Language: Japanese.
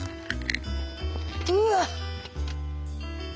うわっ！